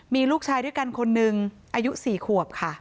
มีลูกชายด้วยกันคนหนึ่งอายุ๔ขวบค่ะ